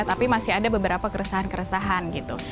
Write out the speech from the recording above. tapi masih ada beberapa keresahan keresahan gitu